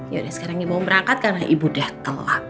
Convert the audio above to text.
yaudah sekarang ibu mau berangkat karena ibu udah kelak